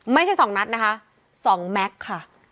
ไม่ใช่๒นัดนะคะ๒แม็กซ์ค่ะ